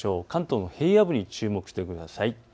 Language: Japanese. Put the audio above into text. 関東の平野部に注目してください。